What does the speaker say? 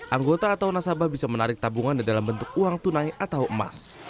anggota atau nasabah bisa menarik tabungan dalam bentuk uang tunai atau emas